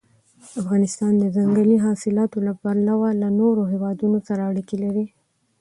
افغانستان د ځنګلي حاصلاتو له پلوه له نورو هېوادونو سره اړیکې لري.